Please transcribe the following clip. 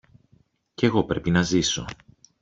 Κι εγώ πρέπει να ζήσω!